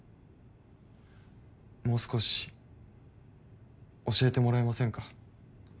もう少し教えてもらえませんか？